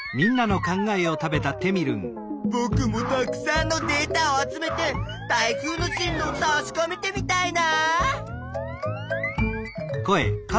ぼくもたくさんのデータを集めて台風の進路をたしかめてみたいな！